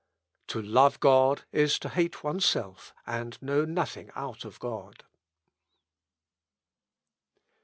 "To love God is to hate oneself, and know nothing out of God."